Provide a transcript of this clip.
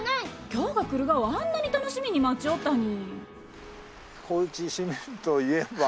今日が来るがをあんなに楽しみに待ちよったに。